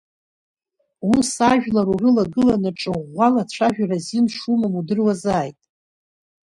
Ус ажәлар урылагаланы, ҿыӷәӷәала ацәажәара азин шумам, удыруазааит.